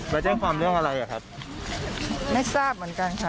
ไปแจ้งความเรื่องอะไรอ่ะครับไม่ทราบเหมือนกันค่ะ